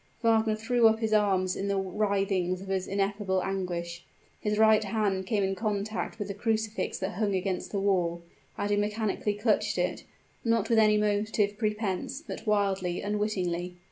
Wagner threw up his arms in the writhings of his ineffable anguish: his right hand came in contact with a crucifix that hung against the wall; and he mechanically clutched it not with any motive prepense but wildly, unwittingly.